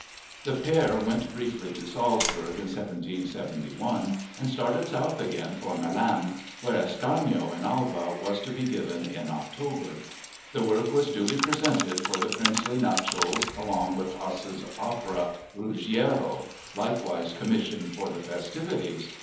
The pair went briefly to Salzburg in 1771 and started south again for Milan, where Ascanio in Alba was to be given in October. The work was duly presented for the princely nuptials along with Hasse's opera Ruggiero, likewise commissioned for the festivities.